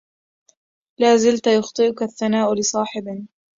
لا زلت يخطئك الثناء لصاحب